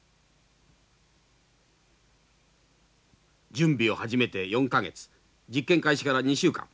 準備を始めて４か月実験開始から２週間。